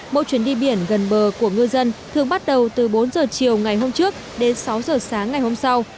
mỗi chuyến đi biển gần bờ của ngư dân thường bắt đầu từ bốn giờ chiều ngày hôm trước đến sáu giờ sáng ngày hôm sau